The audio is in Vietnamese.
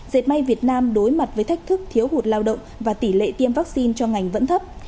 dệt may việt nam đối mặt với thách thức thiếu hụt lao động và tỷ lệ tiêm vaccine cho ngành vẫn thấp